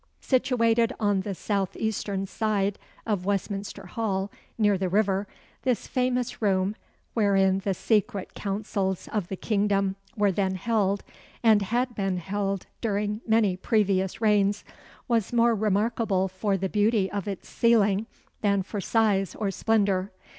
Situated on the south eastern side of Westminster Hall, near the river, this famous room, wherein the secret councils of the kingdom were then held, and had been held during many previous reigns, was more remarkable for the beauty of its ceiling than for size or splendour.